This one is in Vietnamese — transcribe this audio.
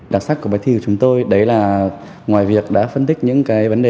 đặc sắc của bài thi của chúng tôi đấy là ngoài việc đã phân tích những cái vấn đề